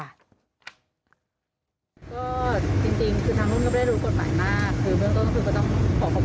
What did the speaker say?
จริงคือทางนุ่มก็ไม่ได้รู้กฎหมายมาก